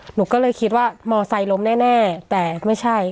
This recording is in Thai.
หนูก็เลยคิดว่ามอไซค์ล้มแน่แต่ไม่ใช่